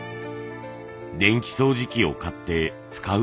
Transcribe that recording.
電気掃除機を買って使うこと。